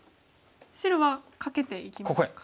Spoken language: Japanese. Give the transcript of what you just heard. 白はカケていきますか。